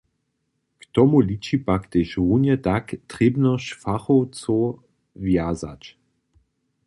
K tomu liči pak tež runje tak trěbnosć fachowcow wjazać.